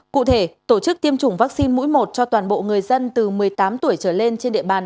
cụ thể tổ chức tiêm chủng vaccine mũi một cho toàn bộ người dân từ một mươi tám tuổi trở lên trên địa bàn